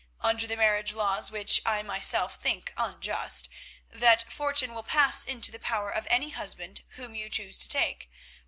Under the marriage laws, which I myself think unjust, that fortune will pass into the power of any husband whom you choose to take.